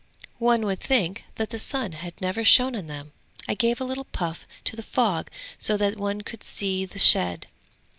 One would think that the sun had never shone on them. I gave a little puff to the fog so that one could see the shed.